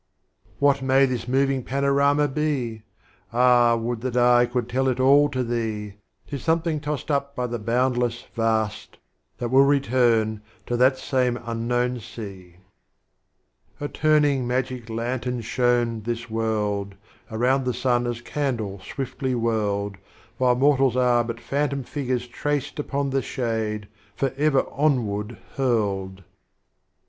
What may this Moving Panorama be? Ah would that I could tell it all to Thee; 'Tis Something tossed up by the boundless Vast, That will return to that same Unknown Sea. 58 Strophes of Omar Khayyam. A Turning Magic Luutern Sliown this World, Around the Sun as Candle swiftly whirled, While Mortals are but Phantom Figures traced Upon the Shade, forever Onward hurled.